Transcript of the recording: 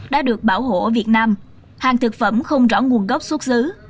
đã được bảo hộ việt nam hàng thực phẩm không rõ nguồn gốc xuất xứ